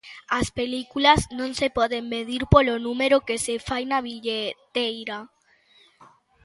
As películas non se poden medir polo número que se fai na billeteira.